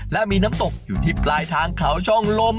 และมีน้ำตกอยู่ที่ปลายทางเขาช่องลม